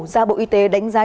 ra bộ y tế đánh giá